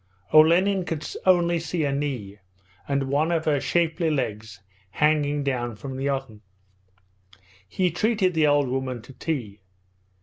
Olenin could only see a knee, and one of her shapely legs hanging down from the oven. He treated the old woman to tea.